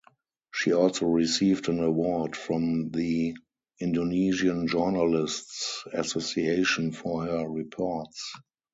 She also received an award from the Indonesian Journalists Association for her reports.